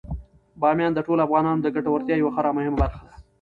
بامیان د ټولو افغانانو د ګټورتیا یوه خورا مهمه برخه ده.